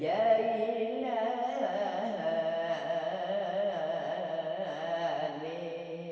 ya siap abir jula qadir jainanik